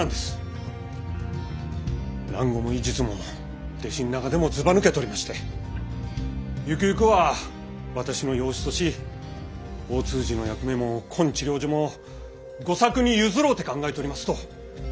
蘭語も医術も弟子ん中でもずばぬけとりましてゆくゆくは私の養子とし大通詞の役目もこん治療所も吾作に譲ろうて考えとりますと。